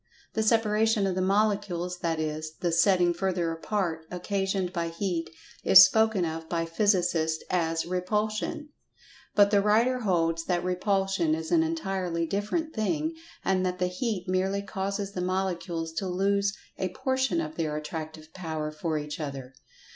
The separation of the Molecules, that is, the "setting further apart," occasioned by Heat, is spoken of by Physicists as "Repulsion." But[Pg 145] the writer holds that repulsion is an entirely different thing, and that the heat merely causes the Molecules to lose a portion of their Attractive power for each other.